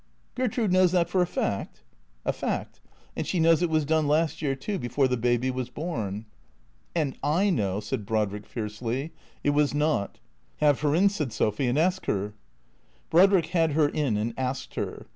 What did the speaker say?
" Gertrude knows that for a fact ?"" A fact. And she knows it was done last year too, before the baby was born." " And I know," said Brodrick fiercely, " it was not." " Have her in," said Sophy, " and ask her." Brodrick had her in and asked her.